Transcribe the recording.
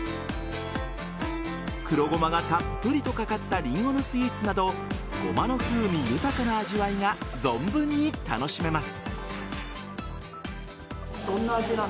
黒ごまがたっぷりとかかったリンゴのスイーツなどごまの風味豊かな味わいが存分に楽しめます。